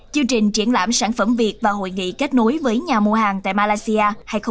chương trình triển lãm sản phẩm việt và hội nghị kết nối với nhà mua hàng tại malaysia hai nghìn hai mươi